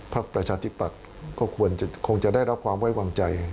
ประชาธิปัตย์ก็คงจะได้รับความไว้วางใจ